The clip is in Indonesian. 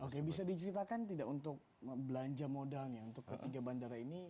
oke bisa diceritakan tidak untuk belanja modalnya untuk ketiga bandara ini